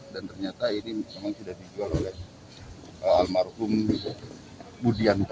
dan ternyata ini memang sudah dijual oleh almarhum budianto